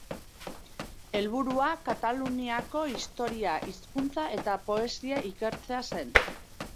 Helburua Kataluniako historia, hizkuntza eta poesia ikertzea zen.